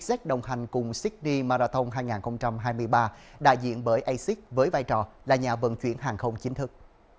z đồng hành cùng sydney marathon hai nghìn hai mươi ba đại diện bởi acis với vai trò là nhà vận chuyển hàng không chính thức